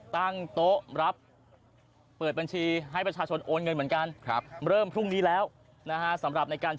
คุณธกภัยอยู่ในขณะนี้เดี๋ยวจะหาว่าฝากฝั่งรัฐบาลมาสนามกันนะครับ